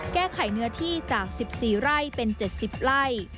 แก้ไขเนื้อที่จาก๑๔ไร่เป็น๗๐ไร่